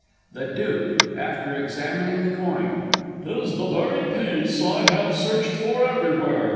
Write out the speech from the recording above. The Duke (after examining the coin.) 'Tis the very piece I have searched for everywhere!